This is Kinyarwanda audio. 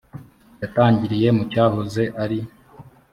yatangiriye mu cyahoze ari